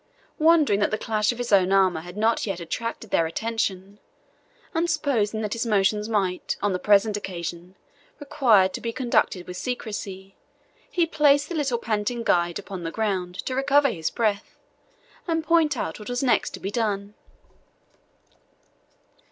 Wondering that the clash of his own armour had not yet attracted their attention, and supposing that his motions might, on the present occasion, require to be conducted with secrecy, he placed the little panting guide upon the ground to recover his breath, and point out what was next to be done.